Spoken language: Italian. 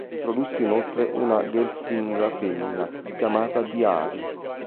Introdusse inoltre una Gelfling femmina chiamata Dee-ari.